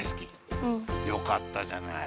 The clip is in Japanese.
うん。よかったじゃない。